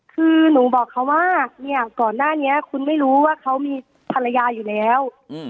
คือหนูบอกเขาว่าเนี่ยก่อนหน้านี้คุณไม่รู้ว่าเขามีภรรยาอยู่แล้ว